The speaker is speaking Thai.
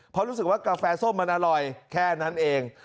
เพราะรู้สึกว่ากาแฟส้มมันอร่อยแค่นั้นเอง